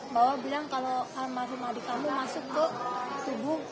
bawa bilang kalau almarhum adik kamu masuk dong